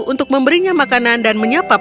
untuk memberinya makanan dan menyapa